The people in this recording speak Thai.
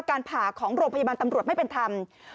การผ่าของโรงพยาบาลตำรวจไม่เป็นธรรม